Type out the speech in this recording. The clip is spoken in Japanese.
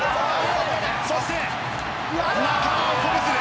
そして仲間を鼓舞する。